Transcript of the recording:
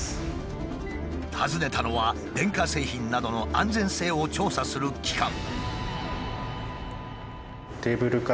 訪ねたのは電化製品などの安全性を調査する機関。